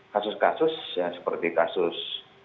kasus kasus ya seperti kasus